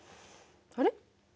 あれ？